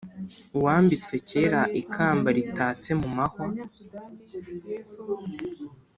Uwambitswe kera ikamba Ritatse mu mahwa